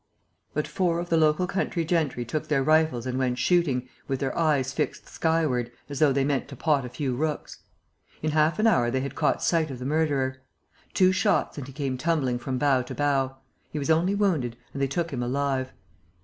But four of the local country gentry took their rifles and went shooting, with their eyes fixed skyward, as though they meant to pot a few rooks. In half an hour they had caught sight of the murderer. Two shots, and he came tumbling from bough to bough. He was only wounded, and they took him alive.